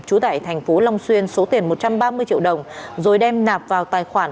trú tại thành phố long xuyên số tiền một trăm ba mươi triệu đồng rồi đem nạp vào tài khoản